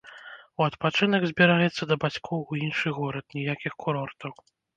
У адпачынак збіраецца да бацькоў у іншы горад, ніякіх курортаў.